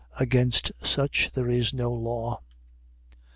Against such there is no law.